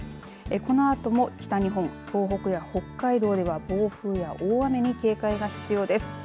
このあとも北日本、東北や北海道では暴風や大雨に警戒が必要です。